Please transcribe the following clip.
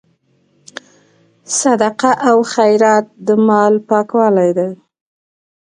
صدقه او خیرات د مال پاکوالی دی.